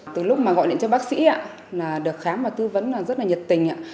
từ lúc mà gọi điện cho bác sĩ ạ được khám và tư vấn rất là nhiệt tình